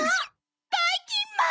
ばいきんまん！